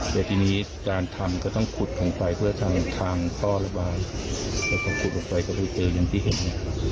แต่ทีนี้จารย์ทำก็ต้องขุดของไปเพื่อทำทางท่อระบายแล้วก็ต้องขุดออกไปกับวิเตย์อย่างที่เห็น